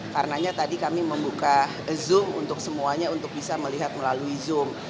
karena tadi kami membuka zoom untuk semuanya untuk bisa melihat melalui zoom